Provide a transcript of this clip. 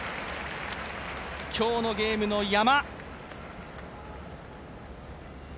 今日のゲームの山。